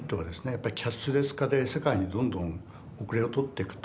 やっぱりキャッシュレス化で世界にどんどん後れを取ってくと。